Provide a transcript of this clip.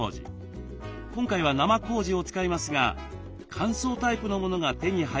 今回は生こうじを使いますが乾燥タイプのものが手に入りやすいです。